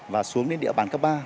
và xuống đến địa bàn cấp ba